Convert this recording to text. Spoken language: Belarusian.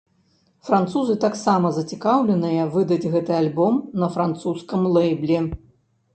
Французы таксама зацікаўленыя выдаць гэты альбом на французскім лэйбле.